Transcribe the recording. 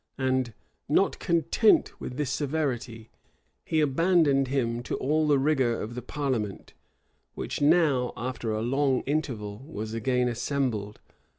And, not content with this severity, he abandoned him to all the rigor of the parliament, which now after a long interval, was again assembled.